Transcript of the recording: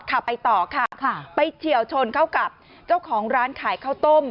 ขับไปต่อค่ะไปเฉียวชนเข้ากับเจ้าของร้านขายข้าวต้ม